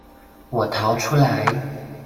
我逃出來